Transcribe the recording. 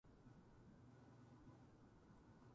パソコンの調子が悪くなってきた。